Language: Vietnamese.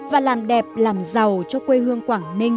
và làm đẹp làm giàu cho quê hương quảng ninh